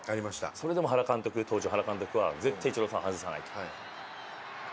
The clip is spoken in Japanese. それでも原監督当時原監督は絶対イチローさんを外さないと。